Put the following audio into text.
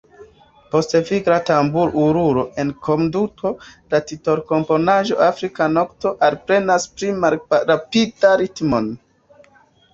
Post vigla tambur-ulula enkonduko, la titolkomponaĵo Afrika nokto alprenas pli malrapidan ritmon.